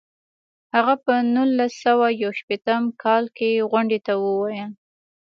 هغه په نولس سوه یو شپیته کال کې غونډې ته وویل.